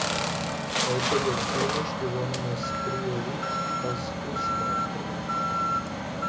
Heute wird chemisch gewonnenes Kryolith aus Flussspat verwendet.